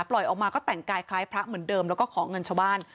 ออกมาก็แต่งกายคล้ายพระเหมือนเดิมแล้วก็ขอเงินชาวบ้าน